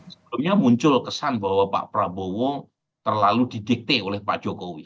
sebelumnya muncul kesan bahwa pak prabowo terlalu didikte oleh pak jokowi